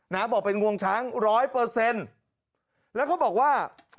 บอกเป็นงวงช้างร้อยเปอร์เซ็นต์แล้วเขาบอกว่า